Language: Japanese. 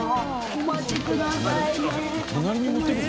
お待ちくださいね。